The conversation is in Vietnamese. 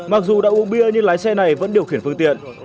mặc dù đã uống bia nhưng lái xe này vẫn điều khiển phương tiện